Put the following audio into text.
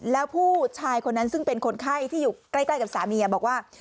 แล้วผู้ชายคนนั้นซึ่งเป็นคนไข้ที่อยู่ใกล้กับสามีบอกว่า